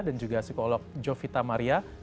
dan juga psikolog jovita maria